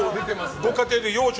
ご家庭で養生